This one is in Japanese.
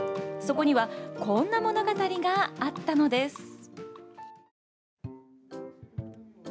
そこには、こんな物語があったのです。